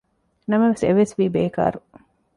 ނަމަވެސް އެވެސް ވީ ބޭކާރު